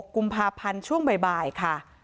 กุมภาพันธ์ช่วงบ่ายค่ะ